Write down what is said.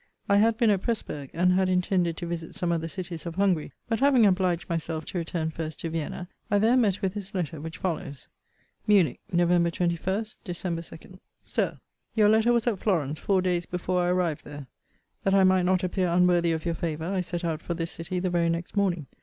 I had been at Presburgh, and had intended to visit some other cities of Hungary: but having obliged myself to return first to Vienna, I there met with his letter, which follows: MUNICH, | NOV. 21. | DEC. 2. SIR, Your letter was at Florence four days before I arrived there. That I might not appear unworthy of your favour, I set out for this city the very next morning.